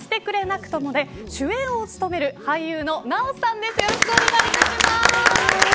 ドラマあなたがしてくれなくてもで主演を務める俳優の奈緒さんです。